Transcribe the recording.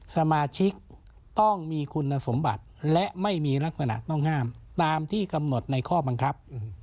สมาชิกต้องมีคุณสมบัติและไม่มีลักษณะต้องห้ามตามที่กำหนดในข้อบังคับ